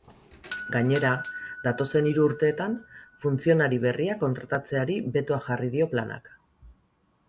Gainera, datozen hiru urteetan funtzionari berriak kontratatzeari betoa jarri dio planak.